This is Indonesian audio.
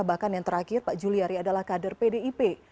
bahkan yang terakhir pak juliari adalah kader pdip